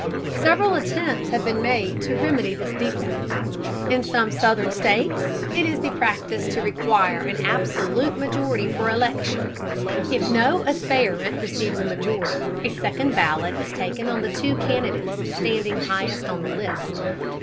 Several attempts have been made to remedy this defect. In some southern states it is the practice to require an absolute majority for election. If no aspirant receives a majority, a second ballot is taken on the two candidates standing highest on the list.